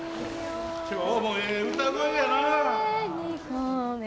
今日もええ歌声やな。